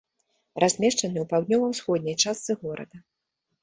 Размешчаны ў паўднёва-ўсходняй частцы горада.